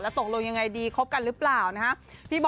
ตกลงยังไงดีคบกันหรือเปล่านะครับ